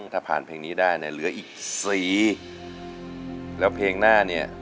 ถ้าผ่านเพลงนี้ได้เนี่ยเหลืออีกสีแล้วเพลงหน้าเนี่ย